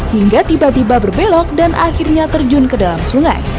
hingga tiba tiba berbelok dan akhirnya terjun ke dalam sungai